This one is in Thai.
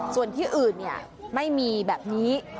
ส่วนที่อื่นไม่มีแบบนี้